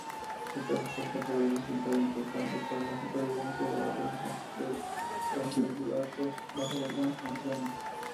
Esta respuesta podría resultar importante para la supervivencia de los osteoblastos bajo algunas condiciones.